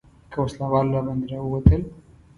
که وسله وال راباندې راووتل.